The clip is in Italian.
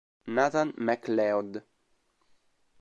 Nathan McLeod